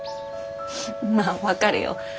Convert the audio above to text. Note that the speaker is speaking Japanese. まぁ分かるよ。